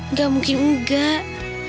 nggak mungkin enggak